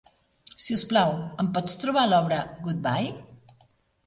Si us plau, em pots trobar l'obra "Goodbye"?